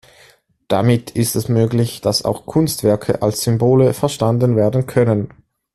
Damit ist es möglich, dass auch Kunstwerke als Symbole verstanden werden können.